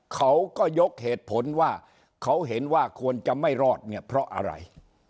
เขาก็ยกเหตุผลว่าเขาเห็นว่าควรจะไม่รอดเนี่ยเพราะอะไร